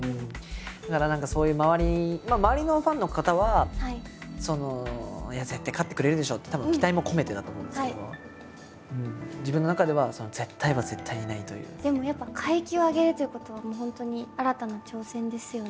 だから何かそういう周りのファンの方は絶対勝ってくれるでしょってたぶん期待も込めてだと思うんですけど自分の中ではでもやっぱ階級を上げるということは本当に新たな挑戦ですよね。